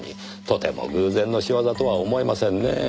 とても偶然の仕業とは思えませんねぇ。